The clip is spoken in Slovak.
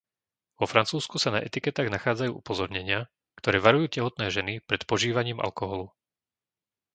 Vo Francúzsku sa na etiketách nachádzajú upozornenia, ktoré varujú tehotné ženy pred požívaním alkoholu.